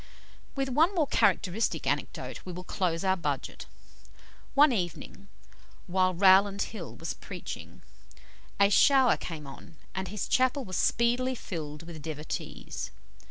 With one more characteristic anecdote we will close our budget. One evening, while Rowland Hill was preaching, a shower came on, and his chapel was speedily filled with devotees.